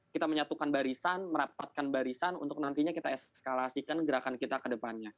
kita menyatukan barisan merapatkan barisan untuk nantinya kita eskalasikan gerakan kita ke depannya